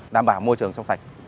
đảm bảo môi trường trong sạch